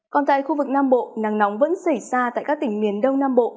còn tại khu vực nam bộ nắng nóng vẫn xảy ra tại các tỉnh miền đông nam bộ